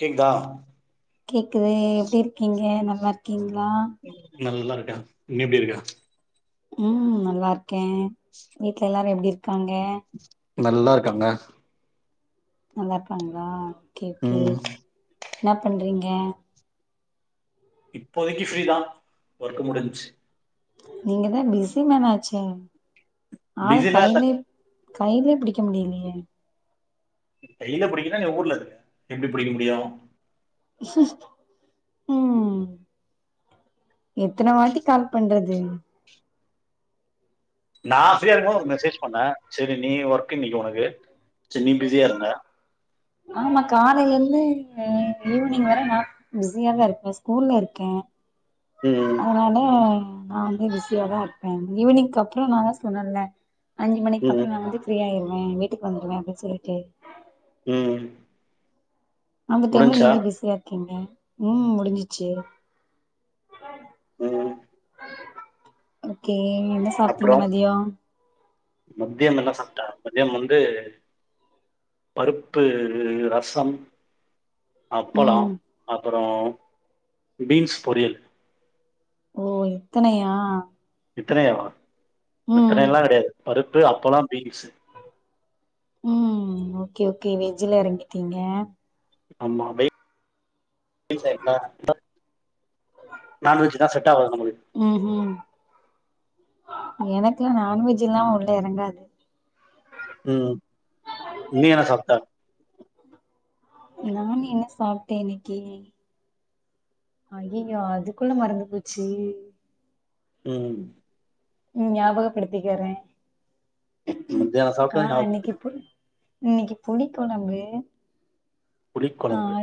கேக்குதா கேக்குது எப்டி இருக்கீங்க ந வர்கிங் வ நல்லா இருக்க நி எப்டி இருக்க ம் நல்லார்க்கேன் வீட்ல எல்லாரு எப்டி இருக்காங்க நல்லா இருக்காங்க நல்லார்க்காங்ளா கே கே ம் என்னாப் பண்றீங்க இப்போதைக்கு ஃப்ரீதான் வர்க்கு முடின்ச்சு நீங்கதா பிசிமேனாச்சே ஆள பிஸிலா இல்ல கய்லே கைலியே புடிக்க முடிலியே கையில புடிக்கன்னா நீ ஊர்ல இருக்குற எப்டி புடிக்க முடியு ம் எத்தன வாட்டி கால் பண்றது நா ஃப்ரீயா இருக்குவோ ஒனக்கு மெசேஜ் பண்ண செரி நீ வெர்க்கு இன்னக்கி ஒனக்கு செரி நீ பிஸியா இருந்த ஆமா காலையிலருந்து அ ஈவனிங் வர நா பிஸியாதா இருப்ப ஸ்கூல்ல இருக்கே ம் அதனால நா வந்து பிஸியாாதா இருப்ப ஈவினிங்கப்றொ நாந்தா சொன்னல்ல அஞ்சு ம் மணிக்கப்றொ நா வந்து ஃப்ரீ ஆயிரு ம் வீட்டுக் வந்துருவே [unintelligible] ம் அந்த டைம்ல முடிஞ்ச்சா நீங்க பிஸியா இர்க்கீங்க ம் முடிஞ்சிச்சு ம் ஓகே என்ன சாப்ட்டீங்க அப்றொ மதியோ மதியம் என்ன சாப்ட்டா மதியமொன் ந்து பருப்பு ரசம் அப்பளோ ம் அப் அப்பறோ பீன்ஸ் பொரியல் ஓ இத்தனையா இத்தனையாவா ம் இத்தனயெல்லா கெடையாது பருப்பு அப்பளோ பீன்சு ம் ஓகே ஓகே வெஜ்ல எறங்கிட்டீங்க அம்மாவை [unintelligible] நான்வெஜு ன்னா [unintelligible] ம் ஹும் எனக்கு நான்வெஜ் இல்லாம உள்ள எறங்காது ம் நீ என்ன சாப்ட நான் என்ன சாப்ட்டேன் இன்னெக்கி அய்யயோ அதுக்குள்ள மறந்து போச்சு ம் ம் ம் ஞாபகப்படுத்திக்கிரே மதியானோ சாப்ட்டது [unintelligible] இன்னெக்கி புளி கொழம்பு புளிக்கொலம்பு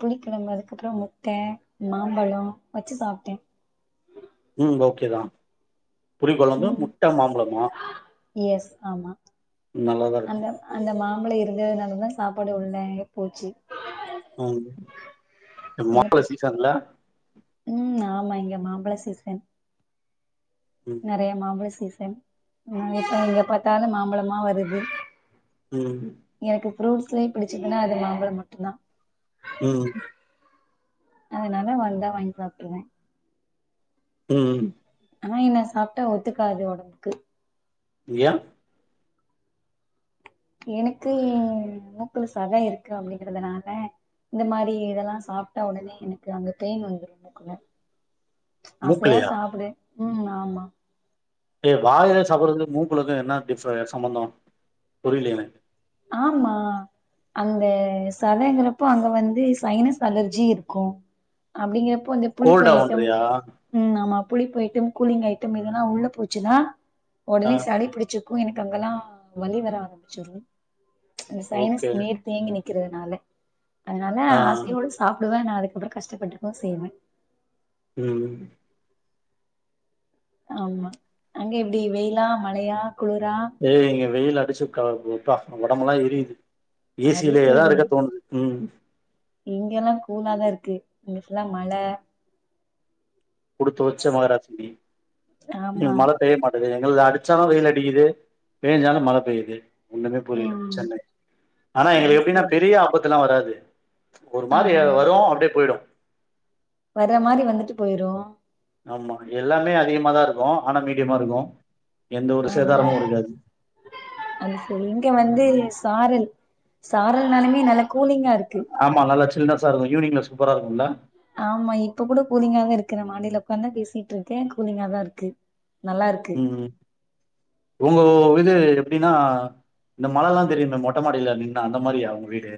புளிக்கொலம்பு அதுக்கப்பறோ முட்ட மாம்பழோ வச்சு சாப்ட்டே ம் ஓகேதா புளி கொழம்பு ம் முட்ட மாம்பலமா எஸ் ஆமா அந்த இருக்கும் அந்த மா மாம்பல இருந்ததுனால தா சாப்பாடு உள்ளயே போச்சு ம் எனக்கு மாம்பழம் சீசன்ல ம் ஆமா இங்க மாம்பள சீசன் ம் நெறையா மாம்பல சீச இப்ப எங்க பாத்தாலு மாம்பலமா வருது ம் எனக்கு ஃப்ரூட்ஸ்லயே புடிச்சதுனா அது மாம்பலம் மட்டும்தா ம் அதனால வந்தா வாங்கி சாப்ட்ருவ ம் ஆனா என்ன சாப்ட்டா ஒத்துக்காது ஒடம்புக்கு ஏ எனக்கு மூக்குல சத இருக்கு அப்டிங்குறதுனால இந்த மாரி இதெல்லா சாப்ட்டா ஒடனே எனக்கு அங்க பெயின் வந்துரு மூக்குல ஆசையா மூக்குலையா சாப்டு ம் ஆமா ஏ வாயில சாப்பிடறதுக்கு மூக்குளக்கு என்ன டிஃபர் சம்பந்தம் புரியலயே ஆமா அந்த சதைங்கிறப்போ அங்க வந்து சைனஸ் அலர்ஜி இருக்கு அப்டிங்கப்போ இப்போ இந்த புளிப்பு கோல்டா ஐட்டம் பண்றியா உம் ஆமா புளிப்பு ஐட்டம் கூலிங் ஐட்டம் எதுன்னா உள்ள போச்சுன்னா ஆ ஒடனே சாலி பிடிச்சு எனக்கு அங்கெல்லாம் வலி வர ஆரம்பிச்சிரு சைனஸ் ஓகே நீர் தேங்கி நி க்கிறதுனால அதனால ஆ ஆசையோடு சாப்புடுவ அதுக்கப்புறம் கஷ்டப்பட்டுதா செய்வ ம் ஆமா அங்க எப்டி வெயிலா மழையா குளுரா ஏய் இங்க வெயில் அடிச்சு கேளப்புதுப்பா ஒடம்புல்லாம் எரியுது ஏசிலயேதா இருக்க தோணுது உம் இங்க எல்லா கூலாதா இருக்கு இங்குட்டுல மழ குடுத்து வச்ச மகராசி நீ இங்க ஆமா மழ பெய்யமட்டிங்குதே அடிச்சாலு வெயில் அடிக்குது பேஞ்சாலு மழ பெய்து ஒண்ணுமே புரில ம் சென்னை ஆனா எங்ளுக் அது எப்டீனா சரி பெரிய ஆபத் இதல்லா வராது ஒரு மாரி அது வரு அப்டே போய்டு வர மாரி வந்துட்டு போயிரு ஆமா எல்லாமே அதிகமாதா இருக்கு ஆனா மீடியமா இருக்கு எந்த ஒரு அ சேதாரமு இருக்காது [inaudible] அது செரி இங்க வந்து சாரல் சாரல் நலமே நல கூலிங்கா இருக்கு சா இருக்கு ஈவிங்ன்ல சூப்பரா இருக்குளா ஆமா இப்ப கூட கூலிங்கா தா இருக்கு நா மாடில உக்காந் தா பேசிட்டுருக்கே கூலிங்கா தா இருக்கு நல்லா இருக்கு ம் உங்க இது எப்டீனா இந்த மல லா தெரியுமே மொட்ட மாடில நின்னா அந்த மாரியா உங்க வீடு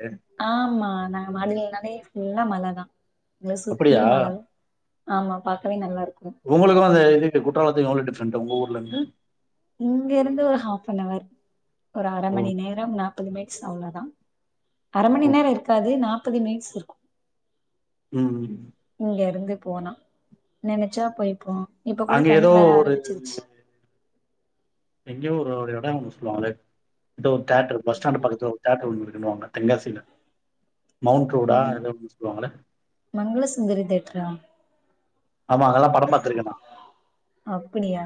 ஆமா நா [unintelligible] நனைய ஃபுல்லா மழ தா இங்க சுத்தி அப்டியா மல தா ஆமா பாக்கவே நல்லாருக்கு த்துக்கு எவ்ளோ டிஃப்ரெண்ட்டு உங்க ஊர்லந்து இங்க இருந்து ஒரு ஆஃபனவர் ஒரு அர ஓ மணி நேரம் நாப்பது [unintelligible] ட்ஸ் அவ்ளதா அர மணி ஓகே நேரோ இருக்காது நா ப்பது மினிட்ஸ் இருக்கு ம் ம் இங்க இருந்து போனா நெனச்சா போயப்போ இப்ப கூட அங்க தண்ணி ஏதோ வர ஆரம்பிச்சிருச்சு எங்யோ ஒரு ஒரு எடோ ஒண்ணு சொல்லுவாங்களே [unintelligible] ஒரு தேட்ரு பஸ் ஸ்டாண்ட்டு பக்கத்ல ஒரு தேட்ரு ஒன்னு இரு குன் வாங்க தெங்காசியில மௌண்ட் ரோடா ம் [unintelligible] சொல்லுவாங்கள மங்கள சுந்தரி தேட்ரா ஆமா அங்கல்லா படம் பாத்தருக்கே நா அப்டியா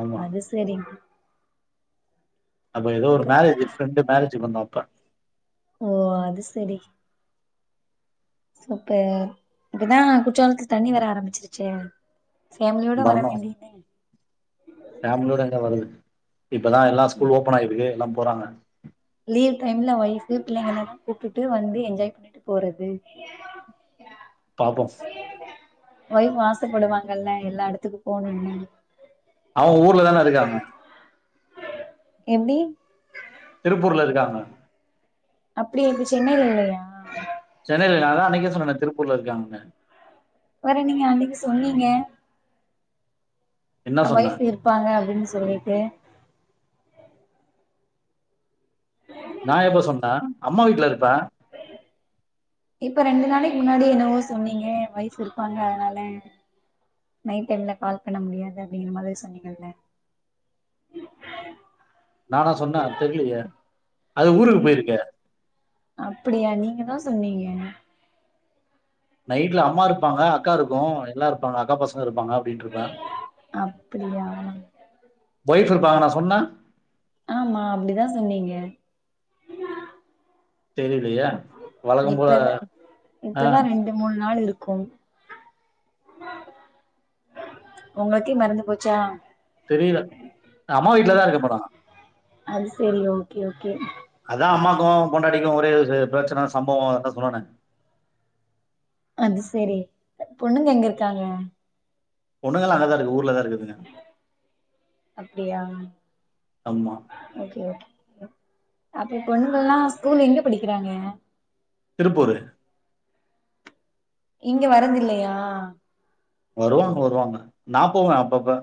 ஆமா அது செரிங் அப்போ எதோ ஒரு மேரேஜு ஃப்ரெண்டு மேரேஜ்க் வந்தோ [unintelligible] ஓ அது செரி சப்ப இப்பதா குற்றாலத்துல தண்ணி வர ஆரம்பிச்சிருச்சே ஃபேமிலியோட வர வரனோ வேண்டியதுதான ஃபேம்லியோட எங்க வரது இப்பதா எல்லா ஸ்கூல் ஓப்பன் ஆயிருக்கே என்னப் போறாங்க லீவ் டைம்ல வைஃப்ஃபு பிள்ளைங்கலெல்லா கூப்டுட்டு வந்து என்ஜாய் பண்ணிட்டு போறது பாப்போ ஒய்ஃப் ஆசப்படுவாங்கல்ல எல்லா எடத்துக்குப்போணுன்னு அவ ஊர்ல தான இருக்காங்க எப்டி திருப்பூர்ல இருக்காங்க அப்டியா இப்ப சென்னைல இல்லையா சென்னைல நா தா அன்னைக்கே சொன்னனே திருப்பூர்ல இருக்காங்கன்னு வர நீங்க அன்னைக்கு சொன்னிங்க என்ன சொன்ன வைய்ஃப் இருப்பாங்க அப்டின்னு சொல்லிட்டு நா எப்ப சொன்னே அம்மா வீட்ல இருப்ப இப்ப ரெண்டு நாளைக் முன்னாடி என்னவோ சொன்னிங்க வய்ஃப் இருப்பாங்க அதனால நைட் டைம்ல கால் பண்ண முடியாது அப்டிங்கற மாதிரி சொன்னிங்கல்ல நானா சொன்னே தெர்லையே அது நீ ஊருக்கு பொயிருக்கே அப்டியா நீங்க தா சொன்னிங்க நைட்ல அம்மாருக் ப்பாங்க அக்காருக்கு எல்லாருப் பாங்க அக்கா பசங்கருப் பாங்க அப்டின்ட்ருப்ப அப்டியா வைப் இருப் பாகனா சொன்ன ஆமா அப்டிதா சொன்னிங்க தெரியல் லையே வழக்கம்போல ஆ கும் உங்கக்கே மறந்து போச்சா தெரியல அம்மா வீட்லதா இருக்க இப்ப நா அது செரி ஓகே ஓ அதா அம்மாக்கு பொண்டாட்டிக்கு ஒரே அ பிரச்சன சம்பவொ அததா சொன்னனே அது செரி பொண்ணுங்க எங்கருக்காங்க பொண்ணுகலா அங்கதாருக்கு ஊர்லதா அப்டியா ஆமா. ஓகே ஓகே அப்ப பொண்ணுங்கல்லா ஸ்கூலு எங்க படிக்கிறாங்க திருப்பூரு இங்க வரதில்லையா வருவாங்க வருவாங்க நா போவே அப்பப்ப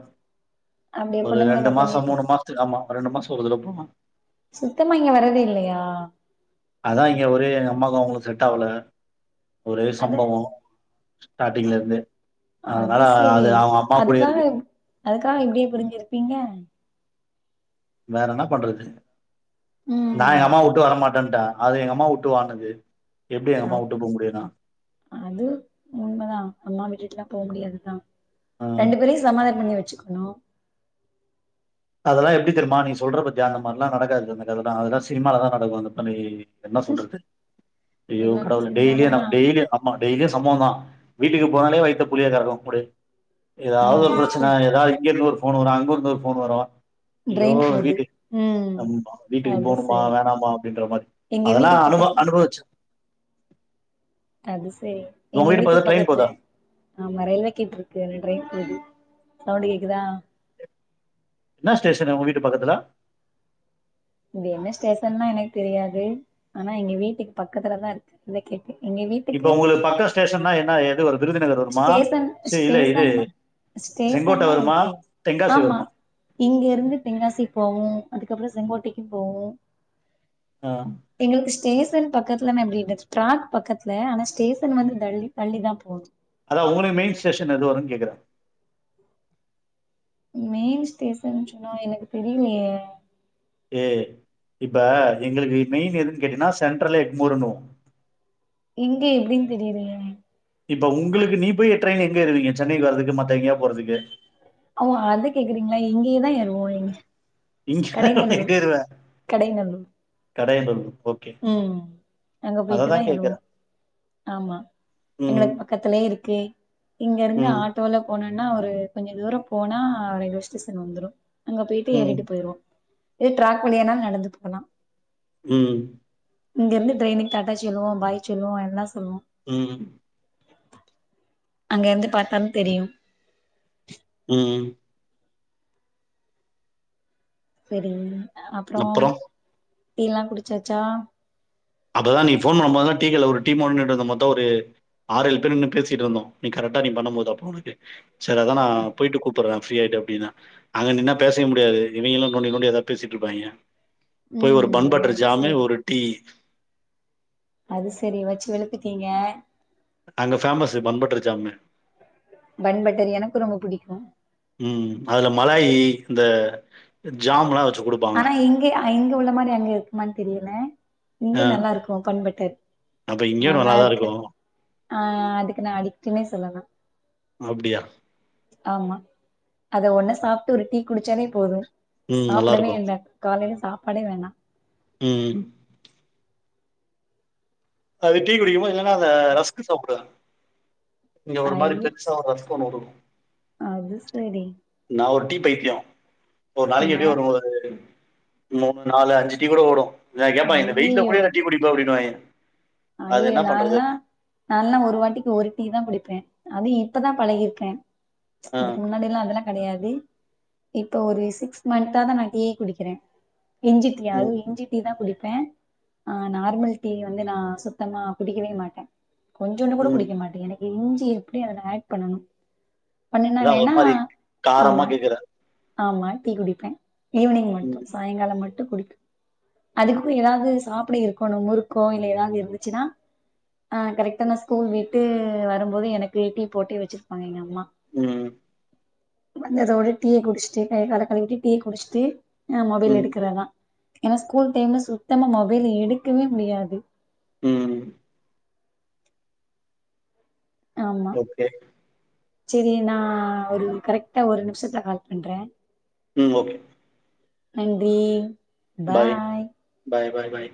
அப்டியா ஒரு பொண்ணுங்கள ரெண்டு பாக்க நீ மாச போ மூணு மாசத்துக்கு ஆமா ரெண்டு மாசத்துக்கொருதடொ போமா சுத்தமா இங்க வர்ரதே இல்லையா அதா இங்க ஒரே எங்க அம்மாக்கு அவங்களுக் செட் ஆவல ஒரே அது சம்பவம் ஸ்டார்டிங்ல இருந்து அதனால அது அவுங்க அம்மா கூடயே அதுக்காக இருக்கு அதுக்காக இப்படியே புரிஞ்சிருப்பீங்க வேற என்ன பண்றது நா ம் எங்க அம்மா வுட்டு வரமாட்டேன்ட்ட அது எங்க அம்மா வுட்டு வானுது அப் அது உண்மைதா அம்மா விட்டுட்டுலா போ முடியாதுதான் ஆ. ரெண்டு பேரையும் சமாதானம் பண்ணி வச் ச்சுக்கணும் அதெல்லாம் எப்படி தெரியுமா நீ சொல்ற பாத்தியா அந்தமாரிலா நடக்காது அந்த கதைல்ல அதெல்லாம் சினிமால தா நடக்கும் அந்த பனி என்ன சொல்றது ஐயோ எல்லாமே கடவுள் சினிமா டெய்லியு தானா எனக் டெய்லி அம்மா டெய்லியே சம்பவம் தா வீட்டுக்கு போனாலே வயத்த புளியா கரக்கு கூட ஏதாவது ஒரு அது பிரச்சனை சரி ஏதாவது இங்க இருந்து ஒரு ஃபோன் வரு அங்கிருந்து ஒரு ஃபோனு வரு ஐயோ ட்ரெயின் போது வீட்டுக் ம் ஆம்பா வீட்டுக்கு அது போகணுமா சரி வேணாமா அப்படின்ற மாரி எங்க அதெல்லாம் வீட்டுக்கு அனுப பக்கத்துல அனுபவிச்சு அது சரி உங்க எங்க வீட்டு வீட்டுக் ட்ரெயின் பக்கத்துல போதா? ஆமா ரயில்வே கேட்டு இருக்கு அதுல ட்ரெயின் போது சவுண்டு கேக்குதா என்ன ஸ்டேஷன் உங்க வீட்டு பக்கத்துல இது என்ன ஸ்டேஷன்லாம் எனக்கு தெரியாது ஆனா எங்க வீட்டுக்கு பக்கத்துலதான் இருக்கு இந்தா கே இப்ப உங்களுக்கு பக்க ஸ்டேஷன்னா என்ன எது வருது விருது ஸ்டேஷன் ஸ்டேஷன் செங்கோட்டை ஸ்டேஷன்னா வருமா? எப்டி தென்காசி ஆமா வருமா? இங்க இருந்து தெங்காசி போவோம் அதுக்கப்புறம் செங்கோட்டைக்கு போவும் ஆஹ் டேஷன் பக்கத்துல னா எப்படி இது ஸ்ட்ராக் பக்கத்துல ஆனா ஸ்டேஷன் வந்து தள்ளி தள்ளி தான் போணும் அதான் உங்களது மெய்ன் ஸ்டேஷன் எது வரும் கேக்குறேன் மெயின் ஸ்டேசன் சொன்னா எனக்கு தெரியலையே ஏய் இப்ப எங்களுக்கு மெயின் எதுன்னு கேட்டீன்னா சென்ட்ரலு எக்மோருன்னு வோம் இங்க எப்டின்னு தெரியலேயே இப்ப உங்களுக்கு நீ போய் ட்ரெயின் எங்க ஏறுவீங்க சென்னைக்கு வர்றதுக்கு மத்த எங்கேயாவது போறதுக்கு ஓ அத கேக்குறீங்களா இங்கேயதான் ஏறுவோம் எங் இங்க எங்க கடைநல்லூர் ஏறுவ கடைநல்லூர் கடையநல்லூர் ஓகே உம் அங்க அததான் போயிட்டுதான் ஏறுவோம் கேக்குறேன் ஆமா ம் எங்களுக்கு பக்கத்திலயே இருக்கு இங்க இருந்து ம் ஆட்டோல போனோ போனா ஒரு கொஞ்சம் தூரம் போனா ஒரு ரயில்வே ஸ்டேஷன் வந்துறும் அங்க போயிட்டு ம் ஏறிட்டு போயிருவோம் இது டிராக் வழியான நடந்து போகலாம் உம் இங்க இருந்து ட்ரெயினுக்கு தாட்டா செல்லுவோ பாய் சொல்லுவோ எல்லா சொல்லுவோ உம் அங்க இருந்து பாத்தாலு தெரியு உம் செரி அப்புறம் டீ எல்லா குடிச்சாச்சா அப்பதா நீ போன் பண்ணும்போதுதா டீ கடைல ஒரு டீ போடுனு நின்னுட்டு இருக்கும்போதுதா ஒரு ஆறு ஏழு பேர் இருந்து பேசிட்டு இருந்தோ நீ கரெக்டா நீ பண்ணும்போது அப்பறோ உனக்கு செரி அதா நா போயிட்டு கூப்பிடற ப்ரீ ஆயிட்டு அப்படின்னா அங்க நின்னா பேசவே முடியாது இவங்களு நோன்டி நோன்டி எதா பேசிட்டு இருப்பாங்க போய் ஒரு ம் பன் பட்டர் அது ஜாமு சரி ஒரு டீ அது செரி வெச்சு வெழுத்துட்டீங்க அங்க famous bun butter jam bun butter எனக்கு ரொம்ப பிடிக்கு ம் அதுல மலாயி இந்த ஜாமெல்லா வெச் ஆனா இங்க இங்க உள்ள மாரி அங்க இருக்குமானு தெரியல ஆ இங்க நல்லாருக்கு பண்பட்டர் அப்ப இங்கேயும் நல்லாதான் நல்லாருக்கு இருக்கும். ஆஹ் அதுக்கு நா அடிக்ட்னே சொல்லலா அப்டியா? ஆமா அத ஒன்ன சாப்ட்டு ஒரு டீ குடிச்சாலே போது உம் நல் உடனே என்ன காலைல சாப்பாடே வேணா உம் அது டீ குடிக்குபோ எதனா த ரஸ்க்கு சாப்டுவ நீங்க ஒரு ஐ மாரி டென்சனா பேச [unintelligible] அது செரி டீ பயித்தியொ ஒரு நாளைக்கு எப்டியு ஒரு மூனு நாலு அஞ்சு டீ கூட ஓடு எல்லா கேப்பாங்க இந்த வெய்ல கூட டீ குடிப்ப அப்டினுவாக அய்யியோ நா எல்லா நா எல்லா ஒரு வாட்டிக்கு ஒரு டீ தா குடிப் ப அது இப்பதா பழகிருக்க ப்ச் ஆ. இதுக்கு முன்னாடி எல்லா அதெல்லா கெடையாது இப்ப ஒரு சிக்ஸ் மன்த்தாதா நா டீயே குடிக்கிறே இஞ்சி டீ ம். அதுவு இஞ்சி டீதா குடிப் ப்பே ஆஹ் நார்மல் டீ வந்து நா சுத்தமா குடிக்கவே மாட்டே கொஞ்சுன்ட்டு கூட ம். குடிக்க மாட்டே எனக் இஞ்சி எப்டியு அதுல ஆட் பண்ணணும் அதா ஒரு மாரி காரமா கேக்குற ஆமா டீ குடிப்பேன் ஈவ்னிங் மட்டும் ம். சாய்ங்காலம் மட் டு குடிப்பே அதுக்கும் எதாவது சாப்ட இருக்கனு முறுக்கோ இல்ல எதாவது இரு ச்சுனா ஆஹ் கரெக்ட்டா நா ஸ்கூல் விட்டு வரும்போது எனக்கு டீ போட்டே வச்சிருப்பாங்க எங்க அம்மா உம் வந்ததோட டீய குடுச்ட்டு கைய கால கழுவிட்டு டீ குடுச்ட்டு ஆஹ் மொபைல் ம். எடுக்றதா ஏனா ஸ்கூல் டைம்ல சுத்தமா மொபைல் எடுக்கவே முடியாது உம் ஆமா ஓகே செரி நா ஒரு கரெக்டா ஒரு நிமிஷத்துல கால் பண்றே ம் ஓகே நன்றி பாய் பாய் பாய் பாய்